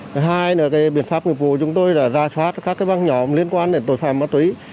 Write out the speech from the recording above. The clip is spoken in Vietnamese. thứ hai là biện pháp nghiệp vụ chúng tôi là ra thoát các văn nhóm liên quan đến tội phạm ma túy